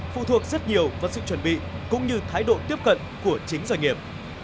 phụ thuộc rất nhiều vào sự chuẩn bị cũng như thái độ tiếp cận của chính doanh nghiệp